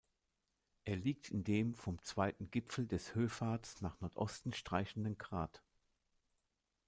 Er liegt in dem vom Zweiten Gipfel der Höfats nach Nordosten streichenden Grat.